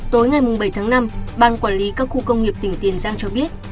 tối ngày bảy tháng năm ban quản lý các khu công nghiệp tỉnh tiền giang cho biết